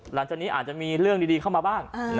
หลังจากนี้อาจจะมีเรื่องดีเข้ามาบ้าง